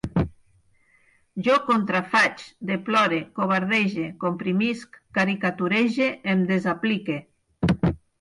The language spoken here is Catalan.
Jo contrafaig, deplore, covardege, comprimisc, caricaturege, em desaplique